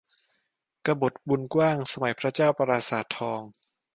กบฏบุญกว้าง สมัยพระเจ้าประสาททอง